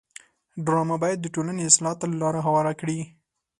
ډرامه باید د ټولنې اصلاح ته لاره هواره کړي